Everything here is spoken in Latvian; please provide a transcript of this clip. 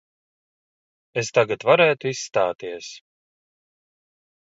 Es tagad varētu izstāties.